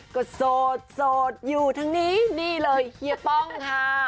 ก็โสดโสดอยู่ทั้งนี้นี่เลยเฮียป้องค่ะ